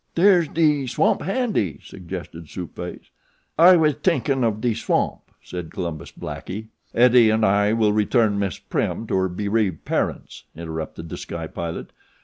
"Dere's de swamp handy," suggested Soup Face. "I was tinkin' of de swamp," said Columbus Blackie. "Eddie and I will return Miss Prim to her bereaved parents," interrupted The Sky Pilot.